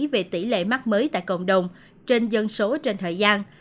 về tỷ lệ mắc mới tại cộng đồng trên dân số trên thời gian